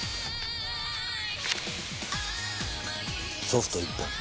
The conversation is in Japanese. ソフト１本。